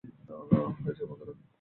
হয়েছে, বন্ধুরা!